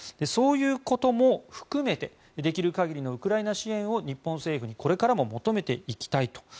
そういうことも含めてできる限りのウクライナ支援を日本政府にこれからも求めていきたいと。